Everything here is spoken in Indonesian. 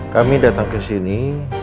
kami datang ke sini